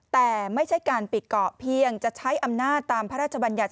แต่ไม่ใช่การปิดเกาะเพียงจะใช้อำนาจตามพระราชบัญญัติ